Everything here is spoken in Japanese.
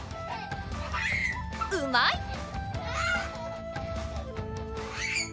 うまい！